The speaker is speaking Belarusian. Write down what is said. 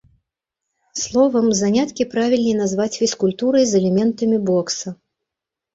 Словам, заняткі правільней назваць фізкультурай з элементамі бокса.